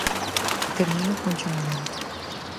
Termino cun chamamento.